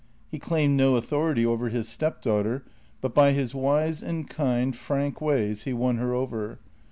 He claimed no authority over his step daughter, but by his wise and kind, frank ways he won her over.